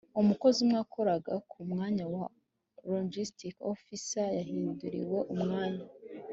Umukozi umwe wakoraga ku mwanya wa logistics officer yahinduriwe umwanya